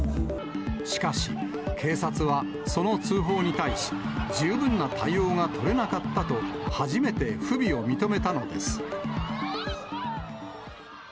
しかし、警察はその通報に対し、十分な対応が取れなかったと、初めて不備を認めたのです。